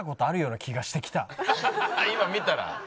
今見たら？